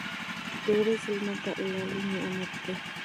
• د ورځې لمر د الله لوی نعمت دی.